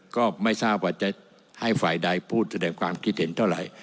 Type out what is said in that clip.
ก็ไม่ทราบว่าจะให้ฝ่ายใดพูดแสดงความคิดเห็นเท่าไหร่